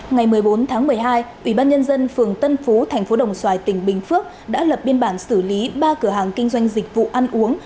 ngày một mươi bốn tháng một mươi hai ủy ban nhân dân phường tân phú thành phố đồng xoài tỉnh bình phước đã lập biên bản xử lý ba cửa hàng kinh doanh dịch vụ ăn uống